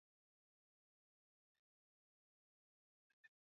viazi lishe husaidia afya ya utumbo